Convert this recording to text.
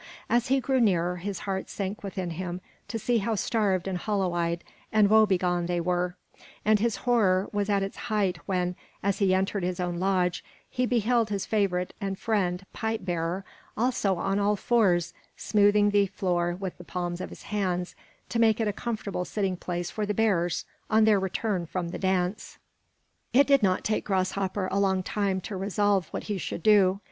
As he drew nearer, his heart sank within him to see how starved and hollow eyed and woe begone they were; and his horror was at its height when, as he entered his own lodge, he beheld his favorite and friend, Pipe bearer, also on all fours, smoothing the floor with the palms of his hands to make it a comfortable sitting place for the bears on their return from the dance. It did not take Grasshopper a long time to resolve what he should do.